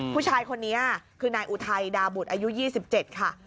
ผู้ชายคนนี้คือนายอุทัยดาบุตรอายุ๒๗ค่ะ